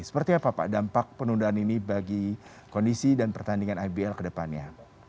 seperti apa pak dampak penundaan ini bagi kondisi dan pertandingan ibl ke depannya